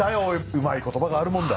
うまい言葉があるもんだ。